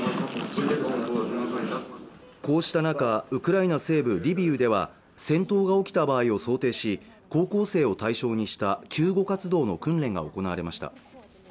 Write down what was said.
こうした中ウクライナ西部リビウでは戦闘が起きた場合を想定し高校生を対象にした救護活動の訓練が行われました